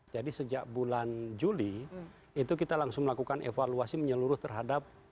jadi sejak bulan juli itu kita langsung melakukan evaluasi menyeluruh terhadap